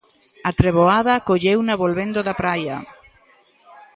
A treboada colleuna volvendo da praia.